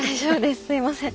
すいません。